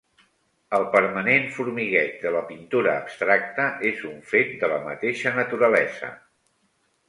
El permanent formigueig de la pintura abstracta és un fet de la mateixa naturalesa.